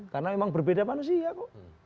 karena memang berbeda manusia kok